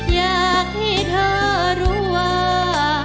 อยากให้เธอรู้ว่า